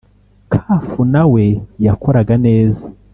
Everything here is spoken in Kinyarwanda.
Kafu nawe yakoraga neza